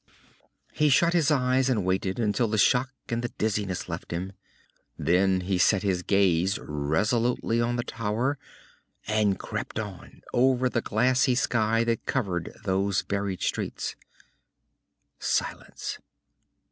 He shut his eyes and waited until the shock and the dizziness left him. Then he set his gaze resolutely on the tower, and crept on, over the glassy sky that covered those buried streets. Silence.